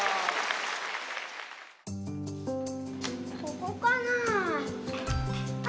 ここかなあ？